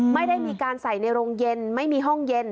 ไม่ได้มีการใส่ในโรงเย็นไม่มีห้องเย็น